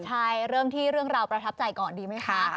ใช่เริ่มที่เรื่องราวประทับใจก่อนดีไหมคะ